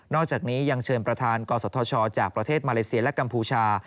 อกจากนี้ยังเชิญประธานกศธชจากประเทศมาเลเซียและกัมพูชา